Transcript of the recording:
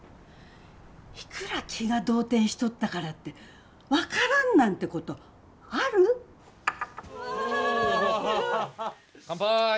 いくら気が動転しとったからって分からんなんてことある？わすごい！